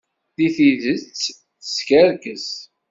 Deg tidet, yeskerkes.